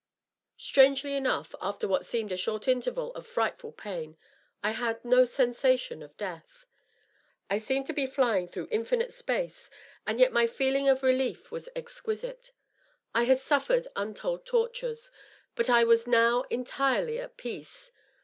.. Strangely enough, afl; er what seemed a short interval of frightful pain, I had no sensation of death. I seemed to be flying through in finite space, and yet my feeling of relief was exquisite. I had suffered untold tortures, but I was now entirely at peace.